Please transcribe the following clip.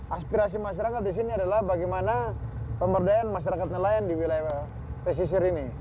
aspirasi masyarakat di sini adalah bagaimana pemberdayaan masyarakat nelayan di wilayah pesisir ini